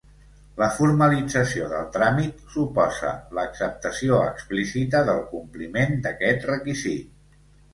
La formalització del tràmit suposa l'acceptació explícita del compliment d'aquest requisit.